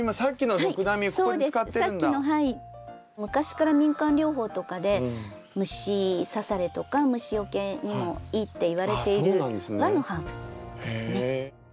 昔から民間療法とかで虫さされとか虫よけにもいいっていわれている和のハーブですね。